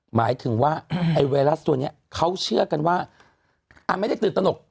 หมายถึงว่าไอ้ไวรัสตัวนี้เขาเชื่อกันว่าอันไม่ได้ตื่นตนก